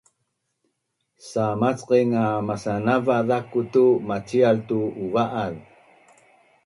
Samacqaing a masnanava zaku tu macial tu uva’az